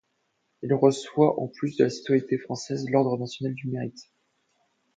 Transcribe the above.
Il reçoit en plus de la citoyenneté française l'ordre national du Mérite.